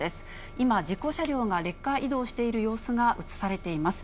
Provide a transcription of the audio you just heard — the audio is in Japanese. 今、事故車両がレッカー移動する様子が写されています。